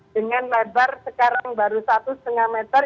dengan lebar sekarang baru satu lima meter